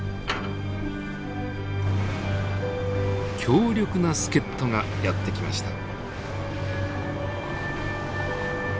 強力な助っ人がやって来ました。